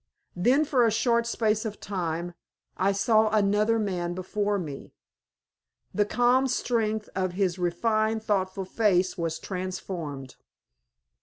Then for a short space of time I saw another man before me. The calm strength of his refined, thoughtful face was transformed.